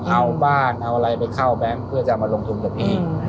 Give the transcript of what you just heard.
เอาบ้านเอาอะไรไปเข้าแบงค์เพื่อจะมาลงทุนกันเอง